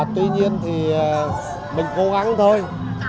tuy nhiên thì mình cố gắng thôi